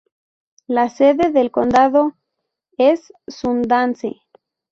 La sede del condado es Sundance.